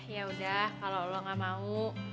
yaudah kalau lo gak mau